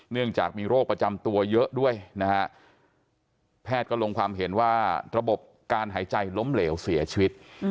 เนื่องจากมีโรคประจำตัวเยอะด้วยนะฮะแพทย์ก็ลงความเห็นว่าระบบการหายใจล้มเหลวเสียชีวิต